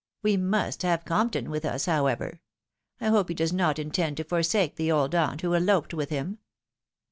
We must have Compton with us, however. I hope he does not intend to forsake the old aunt who eloped with him